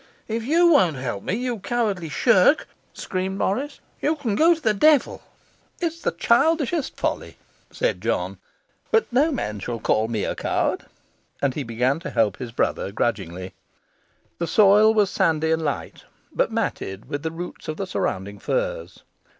'If you won't help me, you cowardly shirk,' screamed Morris, 'you can go to the devil!' 'It's the childishest folly,' said John; 'but no man shall call me a coward,' and he began to help his brother grudgingly. The soil was sandy and light, but matted with the roots of the surrounding firs.